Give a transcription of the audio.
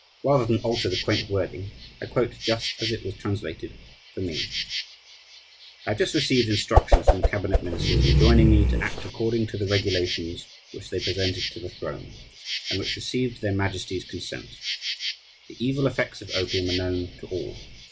Rather than altar the quaint wording, I quote just as it was translated for me: "I have just received instructions from the cabinet ministers enjoining me to act according to the regulations which they presented to the throne, and which received their Majesties' consent. The evil effects of opium are known to all.